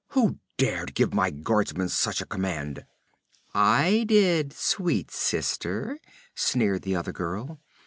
'Who dared give my guardsmen such a command?' 'I did, sweet sister,' sneered the other girl.